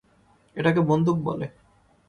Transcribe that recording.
এটাকে বন্দুক বলে।